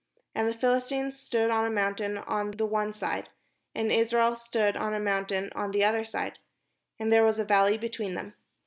And the Philis tines stood on a mountain on the one side, and Israel stood on a mountain on the other side : and there was a valley between them.